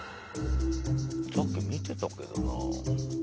さっき見てたけどな。